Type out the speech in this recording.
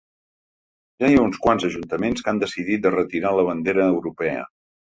Ja hi ha uns quants ajuntaments que han decidit de retirar la bandera europea.